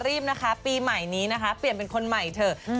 รีบนะคะปีใหม่นี้นะคะเปลี่ยนเป็นคนใหม่เถอะ